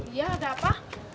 iya ada apa